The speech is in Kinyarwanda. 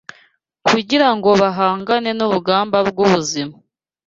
kugira ngo bahangane n’urugamba rw’ubuzima